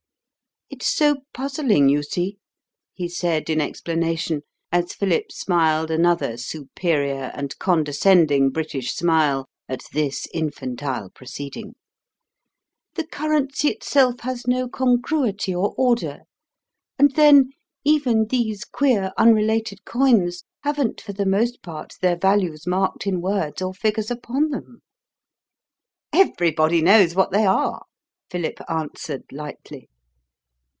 "It's so puzzling, you see," he said in explanation, as Philip smiled another superior and condescending British smile at this infantile proceeding; "the currency itself has no congruity or order: and then, even these queer unrelated coins haven't for the most part their values marked in words or figures upon them." "Everybody knows what they are," Philip answered lightly.